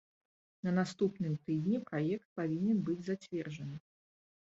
На наступным тыдні праект павінен быць зацверджаны.